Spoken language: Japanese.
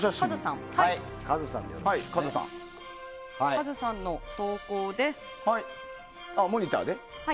かずさんの投稿です。